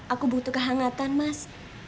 aku butuh kehangatan mas